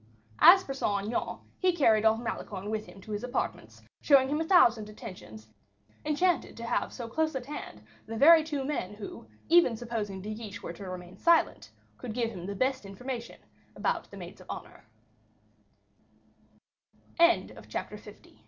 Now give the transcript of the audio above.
As for Saint Aignan, he carried off Malicorne with him to his apartments, showing him a thousand attentions, enchanted to have so close at hand the very two men who, even supposing De Guiche were to remain silent, could give him the best information about the maids of honor. Chapter L